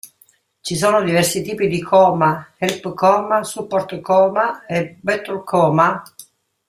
Ci sono diversi tipi di koma: help koma, support koma e battle koma.